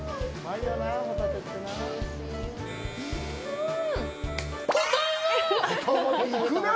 うん！